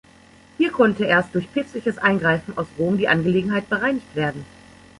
Hier konnte erst durch päpstliches Eingreifen aus Rom die Angelegenheit bereinigt werden.